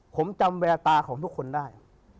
ผมจำแววตาของทุกคนได้